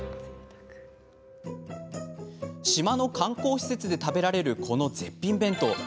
島の観光施設で食べられるこの絶品弁当。